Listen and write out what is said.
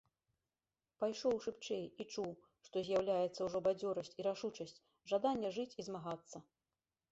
Пайшоў шыбчэй і чуў, што з'яўляецца ўжо бадзёрасць і рашучасць, жаданне жыць і змагацца.